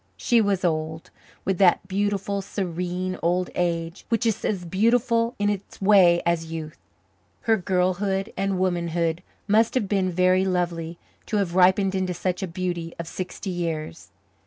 She was old, with that beautiful, serene old age which is as beautiful in its way as youth. Her girlhood and womanhood must have been very lovely to have ripened into such a beauty of sixty years.